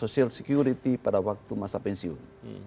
social security pada waktu masa pensiun